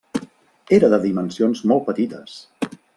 Era de dimensions molt petites.